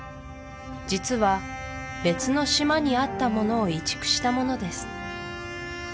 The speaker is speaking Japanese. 実は別の島にあったものを移築したものです